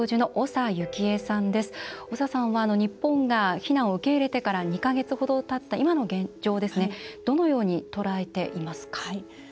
長さんは日本が避難を受け入れてから２か月ほどたった今の現状をどのように捉えていますか。